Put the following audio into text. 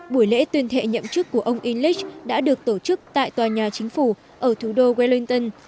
buổi lễ tuyên thệ nhậm chức của ông illick đã được tổ chức tại tòa nhà chính phủ ở thủ đô wellington